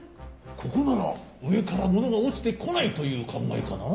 ここならうえからものがおちてこないというかんがえかな？